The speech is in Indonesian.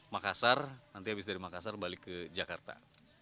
makassar nanti habis dari makassar balik ke jakarta